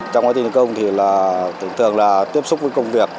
trong quá trình công thì thường là tiếp xúc với công việc